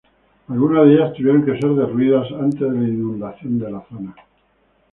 Algunas de ellas tuvieron que ser derruidas antes de la inundación de la zona.